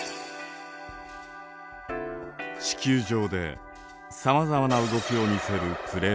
地球上でさまざまな動きを見せるプレート。